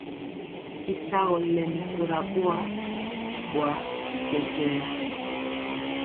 Y sagɔ lɛmi kora boa, boa bi kɛkɛɛ.